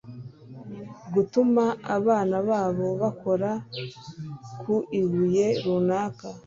Gutuma abana babo bakora ku ibuye runaka;